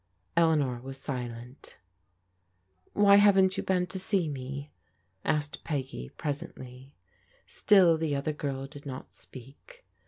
Eleanor was silent. "Why haven't you been to see me?" asked Peggy presently. Still the other girl did not speak.